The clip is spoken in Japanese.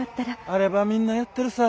あればみんなやってるさ。